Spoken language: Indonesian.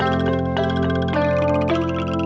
bapak ada dengan enggak